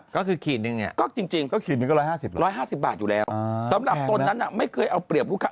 ก็คือขีดนึงเนี่ยก็จริง๑๕๐บาทอยู่แล้วสำหรับตนนั้นไม่เคยเอาเปรียบลูกค้า